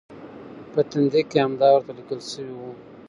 په تندي کې همدا ورته لیکل شوي و.